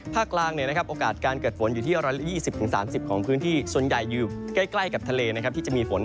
กลางโอกาสการเกิดฝนอยู่ที่๑๒๐๓๐ของพื้นที่ส่วนใหญ่อยู่ใกล้กับทะเลที่จะมีฝน